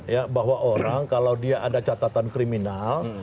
ya bahwa orang kalau dia ada catatan kriminal